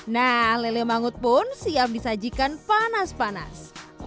nah lele mangut pun siap disajikan panas panas